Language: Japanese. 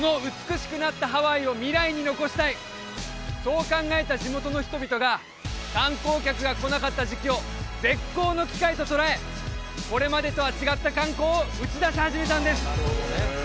このそう考えた地元の人々が観光客が来なかった時期を絶好の機会と捉えこれまでとは違った観光を打ちだし始めたんです